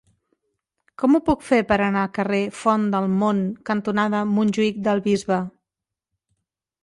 Com ho puc fer per anar al carrer Font del Mont cantonada Montjuïc del Bisbe?